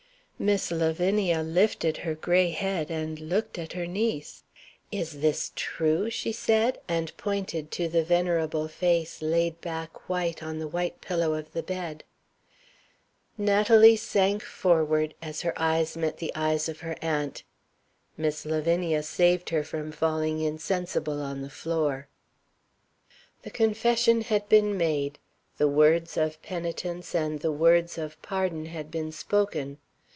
Miss Lavinia lifted her gray head, and looked at her niece. "Is this true?" she said and pointed to the venerable face laid back, white, on the white pillow of the bed. Natalie sank forward as her eyes met the eyes of her aunt. Miss Lavinia saved her from falling insensible on the floor. The confession had been made. The words of penitence and the words of pardon had been spoken.